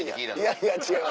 いやいや違う。